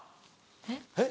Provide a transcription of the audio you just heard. えっ？